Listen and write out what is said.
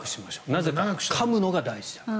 なぜなら、かむのが大事だから。